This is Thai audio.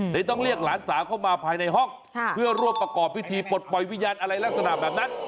ต้องเรียกหลานสาวเข้ามาภายในห้องเพื่อร่วมประกอบพิธีปลดปล่อยวิญญาณอะไรลักษณะแบบนั้น